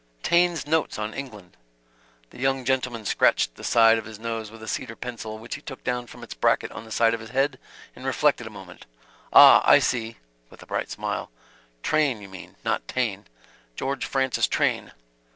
"Taine's Notes on England." The young gentleman scratched the side of his nose with a cedar pencil which he took down from its bracket on the side of his head, and reflected a moment: "Ah I see," [with a bright smile] "Train, you mean not Taine. George Francis Train.